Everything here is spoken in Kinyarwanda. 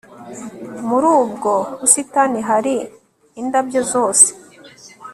Muri ubwo busitani hari indabyo zose